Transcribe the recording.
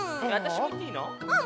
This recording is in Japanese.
うん。